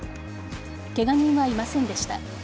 ケガ人はいませんでした。